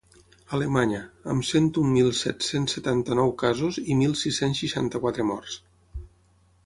Alemanya, amb cent un mil set-cents setanta-nou casos i mil sis-cents seixanta-quatre morts.